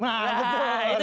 nah itu juga bisa